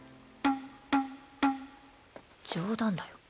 冗談だよ。